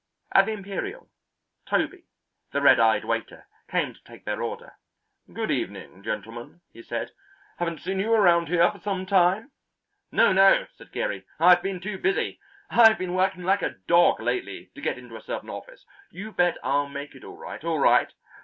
At the Imperial, Toby, the red eyed waiter, came to take their order. "Good evening, gentlemen," he said. "Haven't seen you around here for some time." "No, no," said Geary. "I've been too busy. I've been working like a dog lately to get into a certain office. You bet I'll make it all right all right.